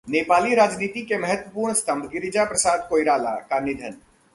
नेपाली राजनीति के महत्वपूर्ण स्तंभ गिरिजा प्रसाद कोइराला का निधन